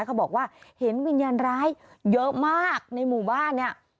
เขาบอกว่าเห็นวิญญาณร้ายเยอะมากในหมู่บ้านเนี่ย